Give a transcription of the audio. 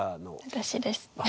私です。